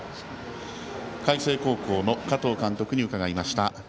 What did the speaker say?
海星高校の加藤監督に伺いました。